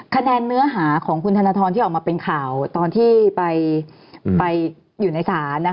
เนื้อหาของคุณธนทรที่ออกมาเป็นข่าวตอนที่ไปอยู่ในศาล